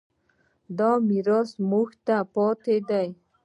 دا میراث موږ ته پاتې دی.